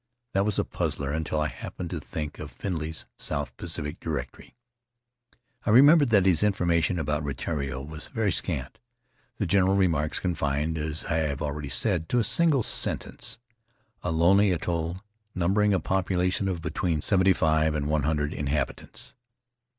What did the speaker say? That was a puzzler until I happened to think of Findlay's South Pacific Directory. I remembered that his information about Rutiaro was very scant, the general remarks confined, as I have already said, to a single sentence, "A lonely atoll, numbering a popula tion of between seventy five and one hundred in habitants."